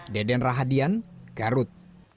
deden rahadian garut